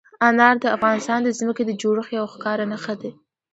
انار د افغانستان د ځمکې د جوړښت یوه ښکاره نښه ده.